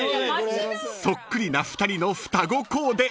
［そっくりな２人の双子コーデ